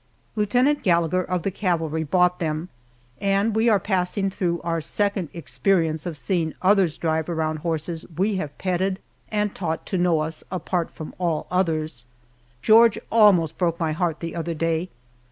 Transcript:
Lieutenant Gallagher of the cavalry bought them, and we are passing through our second experience of seeing others drive around horses we have petted, and taught to know us apart from all others. George almost broke my heart the other day.